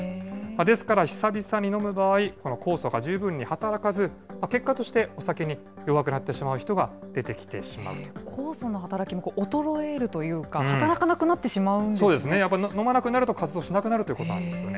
ですから、久々に飲む場合、この酵素が十分に働かず、結果としてお酒に弱くなってしまう人が出て酵素の働きも衰えるというか、そうですね、やっぱり飲まなくなると活動しなくなるということなんですよね。